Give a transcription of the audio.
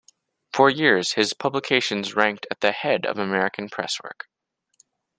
For years his publications ranked at the head of American presswork.